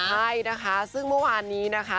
ใช่นะคะซึ่งเมื่อวานนี้นะคะ